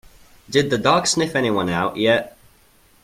Did the dog sniff anyone out yet?